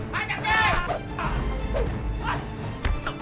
halep deh kawan kawan